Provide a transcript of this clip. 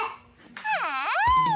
はい！